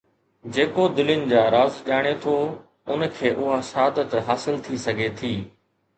جيڪو دلين جا راز ڄاڻي ٿو، ان کي اها سعادت حاصل ٿي سگهي ٿي.